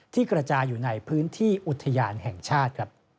กระจายอยู่ในพื้นที่อุทยานแห่งชาติ